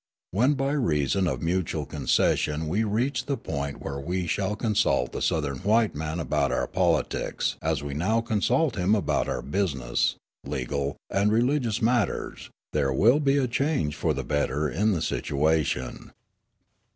When by reason of mutual concession we reach the point where we shall consult the Southern white man about our politics as we now consult him about our business, legal, and religious matters, there will be a change for the better in the situation.